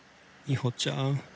みほちゃん！？